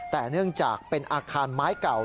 แต่เนื่องจากเป็นอาคารไม้เก่า